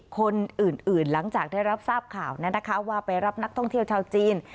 คนอื่นหลังจากได้รับทราบข่าวว่าไปรับนักท่องเที่ยวชาวจีน